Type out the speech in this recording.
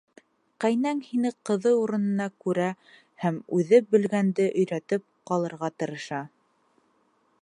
Ҡәйнәң һине ҡыҙы урынына күрә һәм үҙе белгәнде өйрәтеп ҡалырға тырыша.